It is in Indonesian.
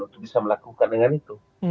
untuk bisa melakukan dengan itu